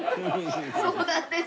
そうなんです。